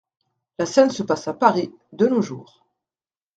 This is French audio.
La scène se passe à Paris, de nos jours.